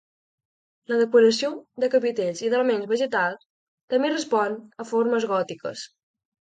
La decoració de capitells i d'elements vegetals també respon a formes gòtiques.